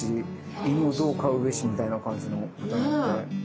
犬をどう飼うべしみたいな感じの。